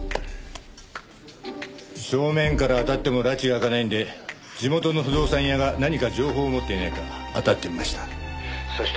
正面から当たってもらちが明かないんで地元の不動産屋が何か情報を持っていないか当たってみました。